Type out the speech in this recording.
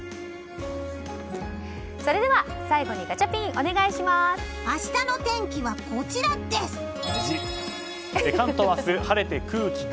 それでは最後にガチャピン明日の天気はこちらです！